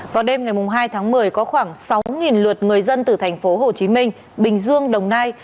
vào đêm ngày hai tháng một mươi có khoảng sáu lượt người dân từ thành phố hồ chí minh bình dương đồng nai